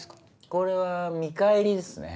これは見返りですね。